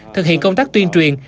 thực hiện công tác tuyên truyền